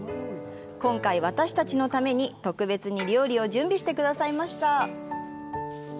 今回、私たちのために、特別に料理を準備してくださいました。